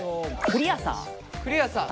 クリアさん。